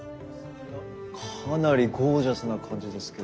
かなりゴージャスな感じですけど。